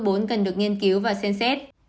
cũng cần được nghiên cứu và xem xét